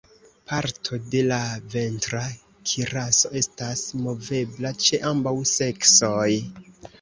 Parto de la ventra kiraso estas movebla ĉe ambaŭ seksoj.